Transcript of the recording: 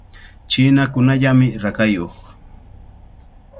Chinakunallamy rakayuq.